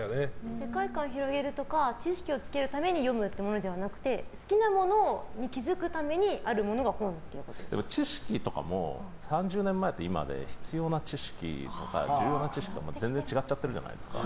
世界観を広げるとか知識を身に付けるために読むんじゃなくて好きなものに気付くために知識とかも３０年前と今で必要な知識とか重要な知識とか、全然違っちゃってるじゃないですか。